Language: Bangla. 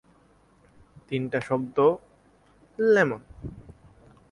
তিনটা শব্দ, লেমন।